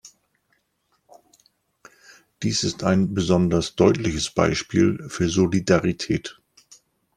Dies ist ein besonders deutliches Beispiel für Solidarität.